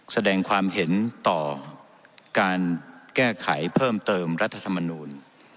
แสดงความเห็นต่อการแก้ไขเพิ่มเติมรัฐธรรมนูล